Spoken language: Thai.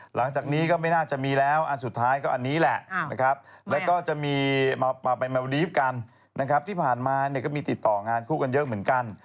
หลังจากนี้ก็ไม่น่าจะมีแล้วอันสุดท้ายก็อันนี้แหละนะครับแล้วก็จะมีไปมาดีฟกันนะครับที่ผ่านมาเนี่ยก็มีติดต่องานคู่กันเยอะเหมือนกัน